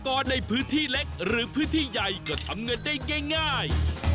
ในพื้นที่เล็กหรือพื้นที่ใหญ่ก็ทำเงินได้ง่าย